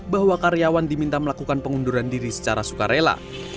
bahwa karyawan diminta melakukan pengunduran diri secara sukarela